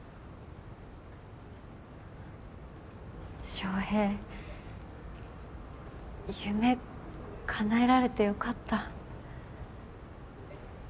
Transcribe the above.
翔平夢かなえられてよかった。